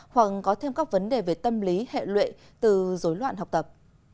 hoặc có thêm các vấn đề về tâm lý hệ lụy từ dối loạn học tập